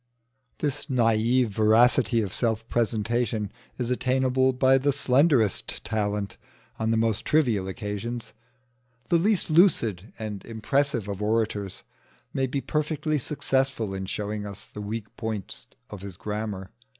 This naïve veracity of self presentation is attainable by the slenderest talent on the most trivial occasions. The least lucid and impressive of orators may be perfectly successful in showing us the weak points of his grammar.